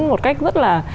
một cách rất là